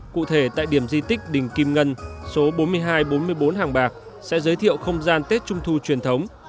cụ thể tại điểm di tích đình kim ngân số bốn nghìn hai trăm bốn mươi bốn hàng bạc sẽ giới thiệu không gian tết trung thu truyền thống